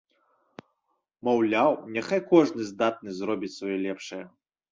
Маўляў, няхай кожны здатны зробіць сваё, лепшае.